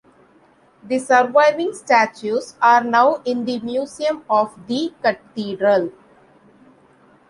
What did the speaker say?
The surviving statues are now in the Museum of the Cathedral.